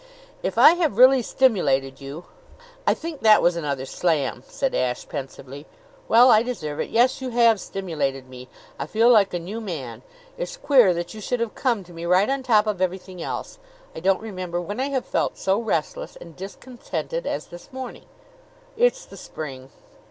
"If I have really stimulated you " "I think that was another slam," said Ashe pensively. "Well, I deserve it. Yes, you have stimulated me. I feel like a new man. It's queer that you should have come to me right on top of everything else. I don't remember when I have felt so restless and discontented as this morning." "It's the Spring."